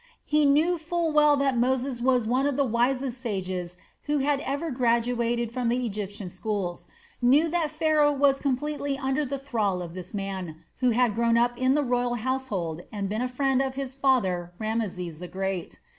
He knew full well that Moses was one of the wisest sages who had ever graduated from the Egyptian schools, knew that Pharaoh was completely under the thrall of this man who had grown up in the royal household and been a friend of his father Rameses the Great.